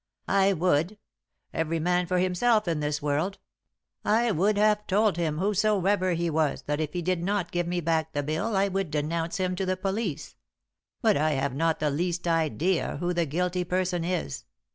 "I would. Every man for himself in this world. I would have told him, whosoever he was, that if he did not give me back the bill I would denounce him to the police. But I have not the least idea who the guilty person is."